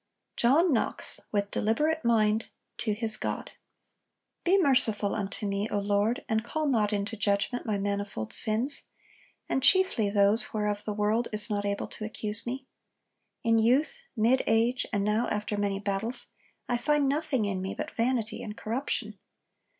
JOHN KNOX, WITH DELIBERATE MIND, TO HIS GOD. 'Be merciful unto me, O Lord, and call not into judgment my manifold sins; and chiefly those whereof the world is not able to accuse me. In youth, mid age, and now after many battles, I find nothing in me but vanity and corruption.